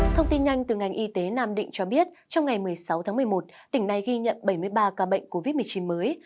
thông tin nhanh từ ngành y tế nam định cho biết trong ngày một mươi sáu tháng một mươi một tỉnh này ghi nhận bảy mươi ba ca bệnh covid một mươi chín mới